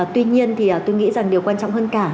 tuy nhiên thì tôi nghĩ rằng điều quan trọng hơn cả